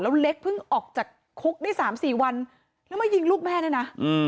แล้วเล็กเพิ่งออกจากคุกได้๓๔วันแล้วมายิงลูกแม่ด้วยนะ